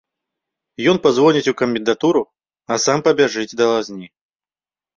Ён пазвоніць у камендатуру, а сам пабяжыць да лазні.